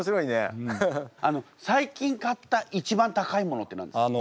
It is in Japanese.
最近買ったいちばん高いものって何ですか？